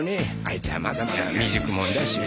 あいつはまだまだ未熟者だし。